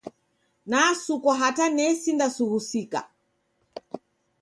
Nasukwa hata nesinda sughusika.